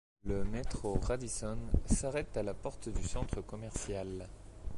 Le métro Radisson s'arrête à la porte du centre commercial.